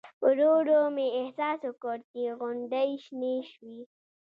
ورو ورو مې احساس وکړ چې غونډۍ شنې شوې.